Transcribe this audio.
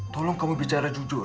tolong kamu bicara jujur